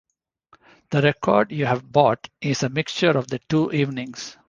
The record you have bought is a mixture of the two evenings.